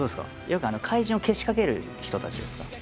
よく怪獣をけしかける人たちですか？